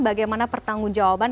bagaimana pertanggung jawaban